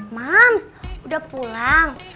mams udah pulang